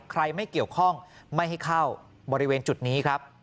ไม่เกี่ยวข้องไม่ให้เข้าบริเวณจุดนี้ครับ